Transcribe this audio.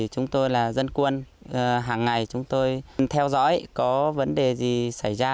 chúng tôi là dân quân hàng ngày chúng tôi theo dõi có vấn đề gì xảy ra